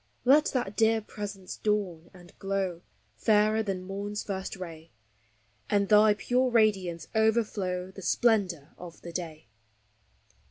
Let that dear Presence dawn and glow, fairer than morn's first ray, And thy pure radiance overflow the splendor of the day.